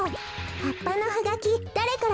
はっぱのハガキだれからかしら？